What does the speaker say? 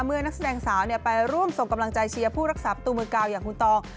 นักแสดงสาวไปร่วมส่งกำลังใจเชียร์ผู้รักษาประตูมือกาวอย่างคุณตอง